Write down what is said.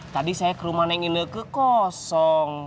tadi saya ke rumah neng ine kek kosong